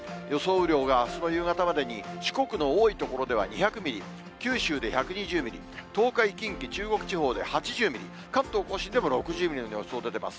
雨量があすの夕方までに四国の多い所では２００ミリ、九州で１２０ミリ、東海、近畿、中国地方で８０ミリ、関東甲信でも６０ミリの予想出てます。